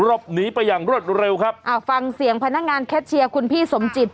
บหนีไปอย่างรวดเร็วครับอ่าฟังเสียงพนักงานแคทเชียร์คุณพี่สมจิต